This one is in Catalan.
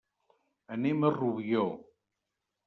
Anem a Rubió.